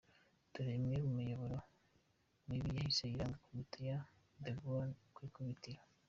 Dore imwe mu miyoborere mibi yahise iranga komite ya DeGaule ku ikubitiro.